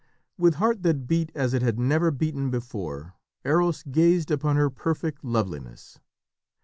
With heart that beat as it had never beaten before, Eros gazed upon her perfect loveliness.